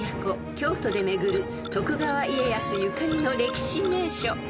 京都で巡る徳川家康ゆかりの歴史名所］